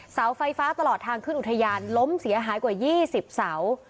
เสาไฟฟ้าตลอดทางขึ้นอุทยานล้มเสียหายกว่า๒๐เสา